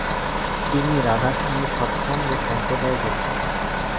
তিনি 'রাধা স্বামী সৎসঙ্গ' সম্প্রদায়ে যোগ দেন।